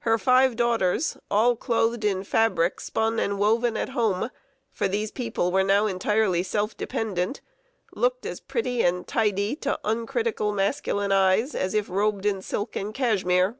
Her five daughters, all clothed in fabric spun and woven at home for these people were now entirely self dependent looked as pretty and tidy to uncritical, masculine eyes, as if robed in silk and cashmere.